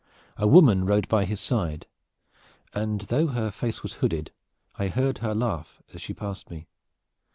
A woman rode by his side, and though her face was hooded I heard her laugh as she passed me.